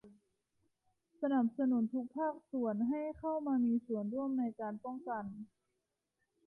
สนับสนุนทุกภาคส่วนให้เข้ามามีส่วนร่วมในการป้องกัน